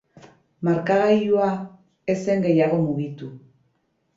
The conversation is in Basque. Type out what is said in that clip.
Markagailua ez zen gehiago mugitu.